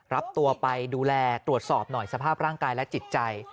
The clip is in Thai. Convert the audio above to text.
รับตัวไปดูแลตรวจสอบหน่อยสภาพร่างกายและจิตใจ